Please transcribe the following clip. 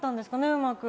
うまく。